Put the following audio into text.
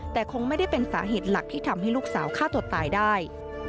แต่คงไม่ได้เป็นสาเหตุหลักที่ทำให้ลูกสาวฆ่าตัวตายได้